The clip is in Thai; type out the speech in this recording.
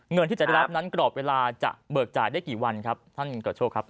เงินที่จะได้รับนั้นกรอบเวลาจะเบิกจ่ายได้กี่วันครับท่านกระโชคครับ